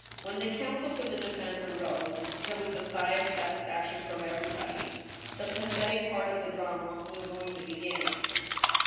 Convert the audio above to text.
When the counsel for the defense arose, there was a sigh of sat isfaction from everybody. The pathetic part of the drama was going to begin.